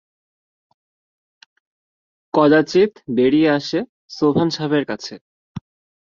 কদাচিৎ বেড়িয়ে আসে সোবহান সাহেবের কাছে।